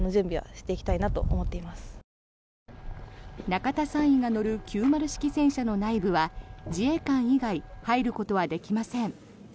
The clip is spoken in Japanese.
中田３尉が乗る９０式戦車の内部は自衛官以外入ることはできません。